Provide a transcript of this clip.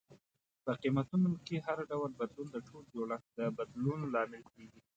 په قیمتونو کې هر ډول بدلون د ټول جوړښت د بدلون لامل کیږي.